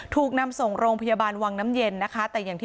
ถูกนำส่งโรงพยาบาลวังน้ำเย็นนะครับ